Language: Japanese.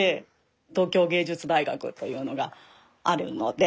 東京藝術大学というのがあるので。